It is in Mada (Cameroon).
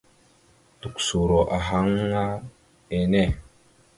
Tukəsoro ahaŋ aŋa enne.